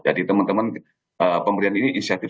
jadi teman teman pemberian ini insentif